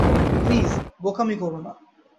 Please, বোকামি করো না।